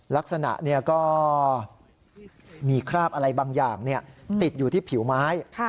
ลักษณะก็มีคราบอะไรบางอย่างติดอยู่ที่ผิวไม้